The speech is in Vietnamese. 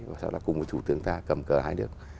và sau đó cùng với thủ tướng ta cầm cờ hai nước